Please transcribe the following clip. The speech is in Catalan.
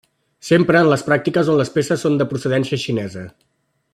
S'empra en les pràctiques on les peces són de procedència xinesa.